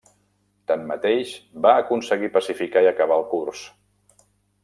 Tanmateix va aconseguir pacificar i acabar el curs.